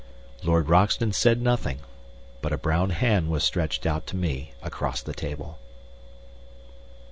Lord Roxton said nothing, but a brown hand was stretched out to me across the table.